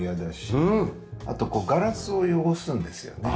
あとガラスを汚すんですよね。